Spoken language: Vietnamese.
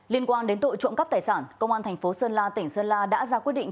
liên quan đến tội trộm cắp tài sản công an thành phố sơn la tỉnh sơn la đã ra quyết định